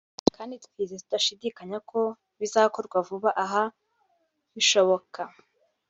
kandi twizeye tudashidikanya ko bizakorwa vuba aha bishoboka